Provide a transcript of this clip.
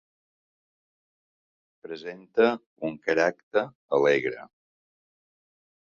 Presenta un caràcter alegre.